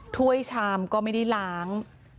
ถ้วยชามก็ไม่ได้ล้าง